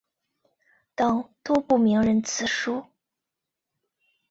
等多部名人辞书。